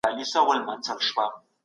وخته ستا قربان سم وه